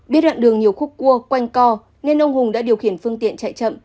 biết đoạn đường nhiều khúc cua quanh co nên ông hùng đã điều khiển phương tiện chạy chậm